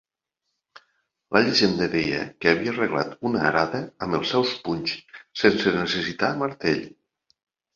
La llegenda deia que havia arreglat una arada amb els seus punys sense necessitar martell.